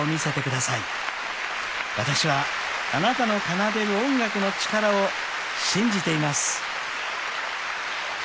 ［私はあなたの奏でる音楽の力を信じています］